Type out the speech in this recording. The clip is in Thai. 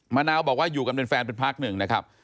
มะนาวบอกว่าอยู่กันเป็นแฟนเป็นพักหนึ่งนะครับ